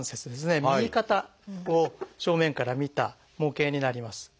右肩を正面から見た模型になります。